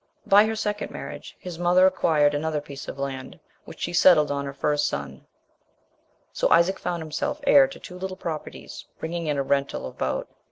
By her second marriage his mother acquired another piece of land, which she settled on her first son; so Isaac found himself heir to two little properties, bringing in a rental of about £80 a year.